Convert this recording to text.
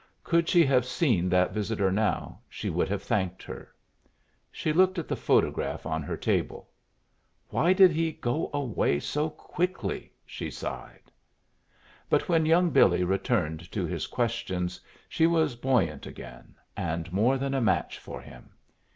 Could she have seen that visitor now, she would have thanked her. She looked at the photograph on her table. "Why did he go away so quickly?" she sighed. But when young Billy returned to his questions she was buoyant again, and more than a match for him.